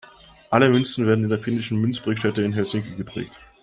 Alle Münzen werden in der finnischen Münzprägestätte in Helsinki geprägt.